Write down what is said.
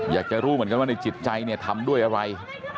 อยากจะรู้เหมือนกันว่าในจิตใจเนี่ยทำด้วยอะไร